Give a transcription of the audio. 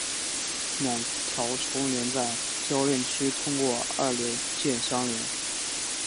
两条重链在铰链区通过二硫键相连。